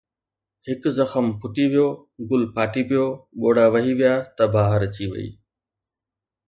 هڪ زخم ڦٽي ويو، گل ڦاٽي پيو، ڳوڙها وهي ويا ته بهار اچي وئي